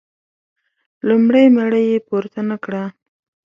لومړۍ مړۍ یې پورته نه کړه.